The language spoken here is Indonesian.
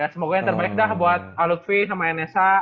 ya semoga yang terbaik dah buat alutfi sama enesa